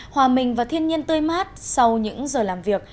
hòa mình và thiên nhiên tươi mát sau những giờ làm việc